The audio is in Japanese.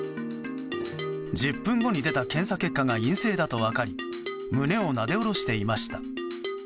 １０分後に出た検査結果が陰性だと分かり胸をなで下ろしていました。